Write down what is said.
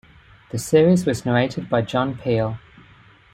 The series was narrated by John Peel.